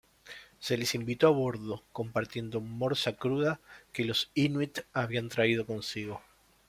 Se les invitó a bordo, compartiendo morsa cruda que los inuit habían traído consigo.